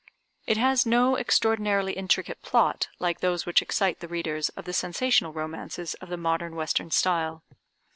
It has no extraordinarily intricate plot like those which excite the readers of the sensational romances of the modern western style.